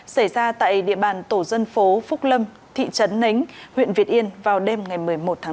xảy ra tại địa bàn tổ dân phố phúc lâm thị trấn nánh huyện việt yên vào đêm một mươi một tháng chín